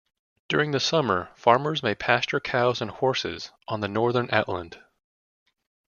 During the summer farmers may pasture cows and horses on the northern Outland.